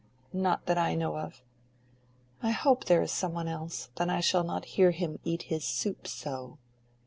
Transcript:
"Not that I know of." "I hope there is some one else. Then I shall not hear him eat his soup so."